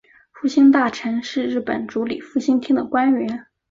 复兴大臣是日本主理复兴厅的官员。